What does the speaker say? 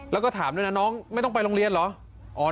แล้วก็ถามด้วยนะน้องไม่ต้องไปโรงเรียนเหรอ